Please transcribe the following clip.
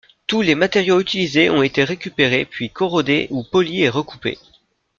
Tous les matériaux utilisés ont été récupérés puis corrodés ou polis et recoupés.